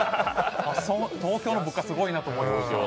東京の物価、すごいなと思いました